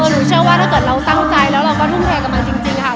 หนูเชื่อว่าถ้าเกิดเราตั้งใจแล้วเราก็ทุ่มเทกับมันจริงค่ะ